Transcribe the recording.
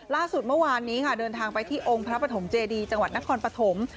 ล่าสุดเมื่อวานนี้ค่ะเดินทางไปที่องค์พระปฐมเจดีจังหวัดนครปฐม